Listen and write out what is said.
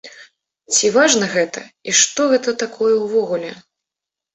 Ці важна гэта і што гэта такое ўвогуле?